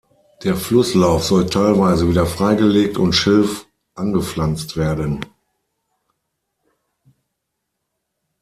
Der Flusslauf soll teilweise wieder freigelegt und Schilf angepflanzt werden.